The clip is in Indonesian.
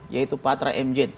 yaitu patra mj